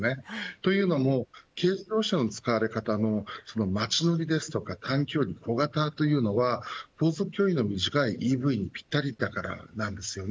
というのも軽自動車の使われ方も街乗りや短距離小型というのは航続距離の短いＥＶにぴったりだからなんです。